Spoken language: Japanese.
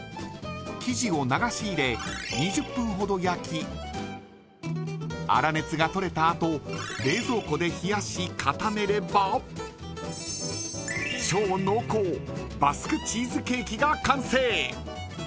生地を流し入れ２０分ほど焼き粗熱が取れた後冷蔵庫で冷やし固めれば超濃厚バスクチーズケーキが完成。